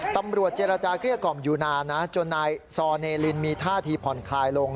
ตำรวจเจรจาเกลี้ยกล่อมอยู่นานนะจนนายซอเนลินมีท่าทีผ่อนคลายลง